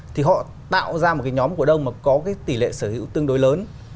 thì họ tạo ra một cái nhóm cổ đông mà có cái tỷ lệ sở hữu tương đối lớn